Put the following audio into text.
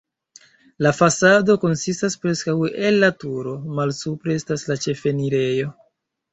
La fasado konsistas preskaŭ el la turo, malsupre estas la ĉefenirejo.